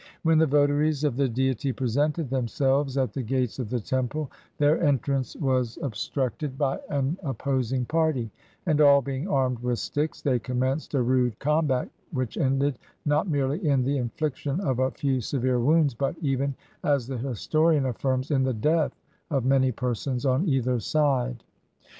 When the votaries of the deity presented themselves at the gates of the temple, their entrance was obstructed 28 HOW EGYPTIANS AMUSED THEMSELVES by an opposing party; and all being armed with sticks they commenced a rude combat, which ended, not merely in the infliction of a few severe wounds, but even, as the historian affirms, in the death of many persons on either side.